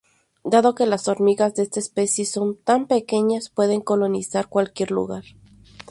Dado que las hormigas de esta especie son tan pequeñas, pueden colonizar cualquier lugar.